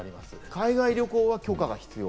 海外旅行は許可が必要。